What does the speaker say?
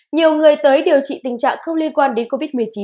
nhiều người tới điều trị tình trạng không liên quan đến covid một mươi chín